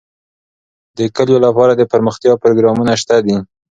د کلیو لپاره دپرمختیا پروګرامونه شته دي.